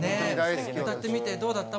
歌ってみてどうだった？